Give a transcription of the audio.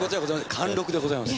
貫禄でございます。